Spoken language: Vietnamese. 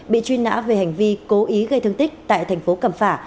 bị truy nã về hành vi cố ý gây thương tích tại tp cẩm phả